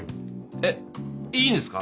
えっいいんですか？